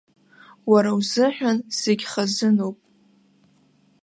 Уара узыҳәан зегь хазыноуп.